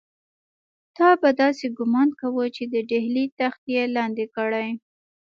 تا به داسې ګومان کاوه چې د ډهلي تخت یې لاندې کړی.